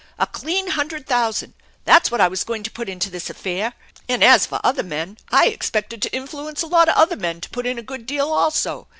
A clean hundred thousand ! That's what I was going to put into this affair I And as for other men, I expected to influence a lot of other men to put in a good deal also.